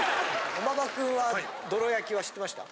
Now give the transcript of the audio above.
駒場君はどろ焼は知ってました？